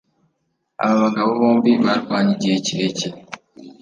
Aba bagabo bombi barwanye igihe kirekire.